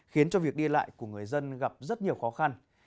khiến cho việc đi lại của người dân gặp rất nhiều khó khăn